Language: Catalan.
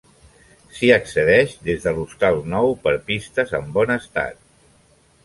S'hi accedeix des de l'Hostal Nou per pistes en bon estat.